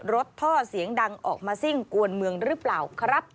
ท่อเสียงดังออกมาซิ่งกวนเมืองหรือเปล่าครับ